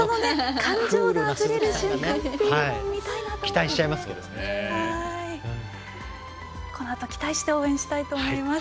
感情があふれる瞬間も見たいなと思います。